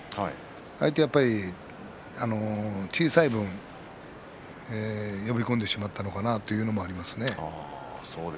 相手が小さい分呼び込んでしまったのかなという感じもします。